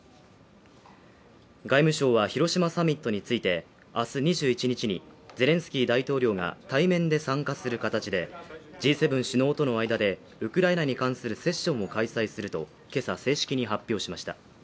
外務省は広島サミットについて、明日２１日にゼレンスキー大統領が対面で参加する形で、Ｇ７首脳との間で、ウクライナに関するセッションを開催すると今朝正式に発表しました。